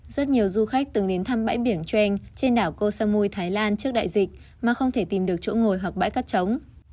rất nhiều du khách từng đến thăm bãi biển cheng trên đảo kosamui thái lan trước đại dịch mà không thể tìm được chỗ ngồi hoặc bãi cắt trống